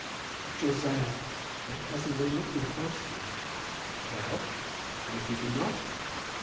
"But, Josiah, my cousin will not be harsh to you." "Well, and if he be not?"